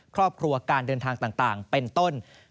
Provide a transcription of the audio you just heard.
ครอบครัวการเดินทางต่างเป็นต้น